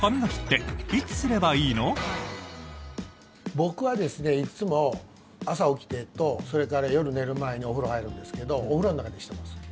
僕はですねいつも朝起きてとそれから夜寝る前にお風呂入るんですけどお風呂の中でしてます。